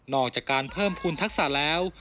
ออกจากการเพิ่มภูมิทักษะแล้ว